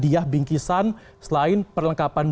diah bingkisan selain perlengkapan